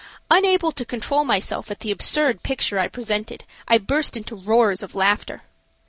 Unable to control myself at the absurd picture I presented, I burst into roars of laughter.